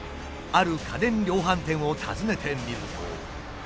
ある家電量販店を訪ねてみると。